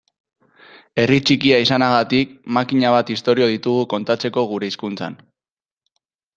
Herri txiki izanagatik makina bat istorio ditugu kontatzeko gure hizkuntzan.